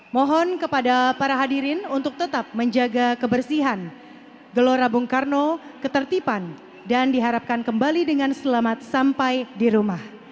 mohon kepada para hadirin untuk tetap menjaga kebersihan gelora bung karno ketertiban dan diharapkan kembali dengan selamat sampai di rumah